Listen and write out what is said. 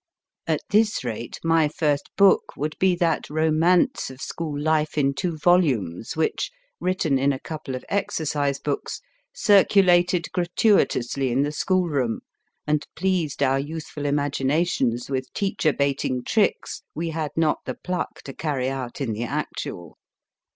At this rate my first book would be that romance of school life in two volumes, which, written in a couple of exercise books, circulated gratuitously in the schoolroom, and pleased our youthful imaginations with teacher baiting tricks we had not the pluck to carry out in the actual.